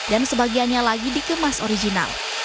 dan sebagiannya lagi dikemas original